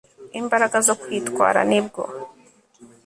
imbaraga zo kwitwara nibwo